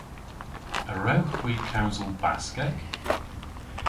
A wrewgh hwi kewsel Baskek?